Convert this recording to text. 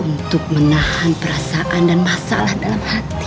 untuk menahan perasaan dan masalah dalam hati